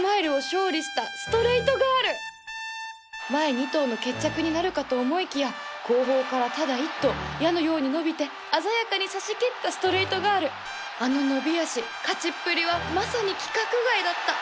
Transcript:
前２頭の決着になるかと思いきや後方からただ１頭矢のように伸びて鮮やかに差し切ったストレイトガールあの伸び脚勝ちっぷりはまさに規格外だった